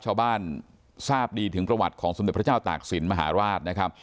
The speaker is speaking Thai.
ชาวบ้านทราบดีถึงประวัติของสมเด็จพระเจ้าตากศิลปมหาราชนะครับ